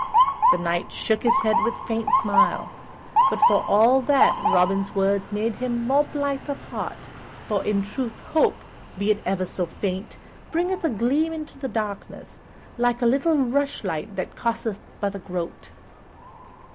The Knight shook his head with a faint smile, but for all that, Robin's words made him more blithe of heart, for in truth hope, be it never so faint, bringeth a gleam into darkness, like a little rushlight that costeth but a groat.